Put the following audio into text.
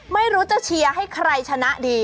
ไม่รู้จะเชียร์ให้ใครชนะดี